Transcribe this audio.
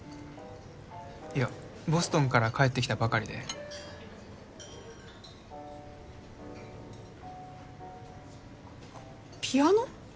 いやボストンから帰ってきたばかりでピアノ？